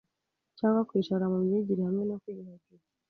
Cyangwa kwicara mu myigire hamwe no kwiyuhagira